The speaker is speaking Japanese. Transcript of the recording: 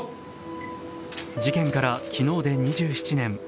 事件から昨日で２７年。